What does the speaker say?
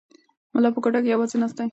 ملا په کوټه کې یوازې ناست دی.